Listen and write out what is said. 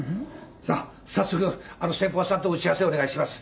さあ早速先方さんと打ち合わせお願いします。